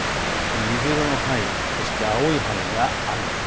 水色の範囲、そして青い範囲が雨です。